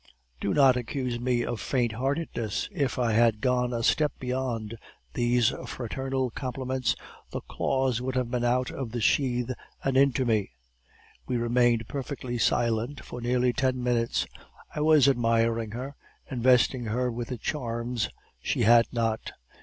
Do not accuse me of faint heartedness; if I had gone a step beyond these fraternal compliments, the claws would have been out of the sheath and into me. We remained perfectly silent for nearly ten minutes. I was admiring her, investing her with the charms she had not.